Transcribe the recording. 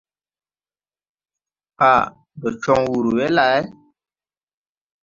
Aã, ndo con wur we lay ?